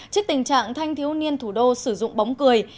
trước tình trạng thanh thiếu niên thủ đô sử dụng bóng cười